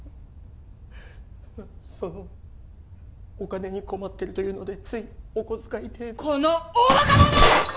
そのお金に困ってるというのでついお小遣い程度この大バカ者！